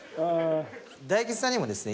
大吉さんにもですね